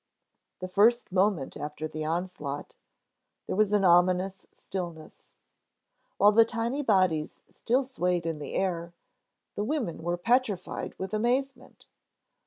The first moment after the onslaught, there was an ominous stillness. While the tiny bodies still swayed in the air, the women were petrified with amazement!